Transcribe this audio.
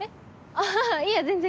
あぁいや全然。